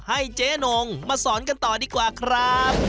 ให้เจ๊นงมาสอนกันต่อดีกว่าครับ